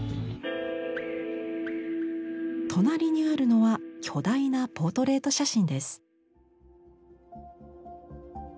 隣にあるのは巨大なポートレイト写真です。